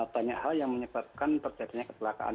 banyak hal yang menyebabkan terjadinya kecelakaan